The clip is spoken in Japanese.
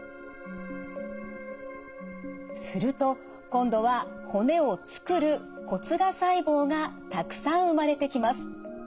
すると今度は骨をつくる骨芽細胞がたくさん生まれてきます。